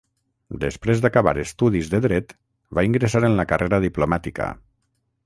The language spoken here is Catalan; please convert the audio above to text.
Després d'acabar estudis de Dret, va ingressar en la Carrera Diplomàtica.